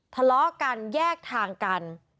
ทะเลาะกันแยกทางกัน